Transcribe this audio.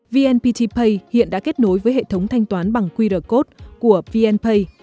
vnpt pay hiện đã kết nối với hệ thống thanh toán bằng qr code của vnpay